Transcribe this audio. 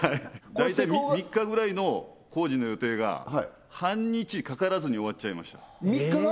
大体３日ぐらいの工事の予定が半日かからずに終わっちゃいました